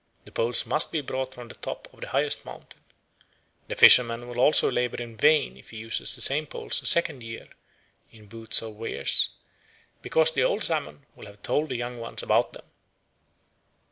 The poles must be brought from the top of the highest mountain. The fisherman will also labour in vain if he uses the same poles a second year in booths or weirs, "because the old salmon will have told the young ones about them."